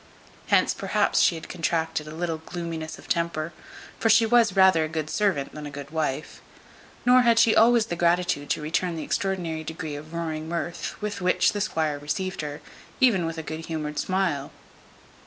Hence perhaps she had contracted a little gloominess of temper, for she was rather a good servant than a good wife; nor had she always the gratitude to return the extraordinary degree of roaring mirth, with which the squire received her, even with a good humoured smile.